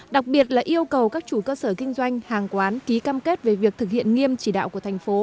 đặc biệt là yêu cầu các chủ cơ sở kinh doanh hàng quán ký cam kết về việc thực hiện nghiêm chỉ đạo của thành phố